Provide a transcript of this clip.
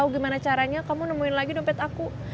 gimana caranya kamu nemuin lagi dompet aku